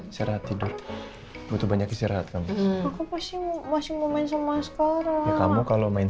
isi rahat tidur butuh banyak isi rahat kamu aku pasti masih mau main sama askara kamu kalau main